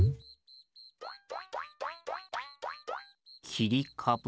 きりかぶ？